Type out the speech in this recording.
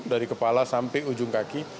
dari kepala sampai ujung kaki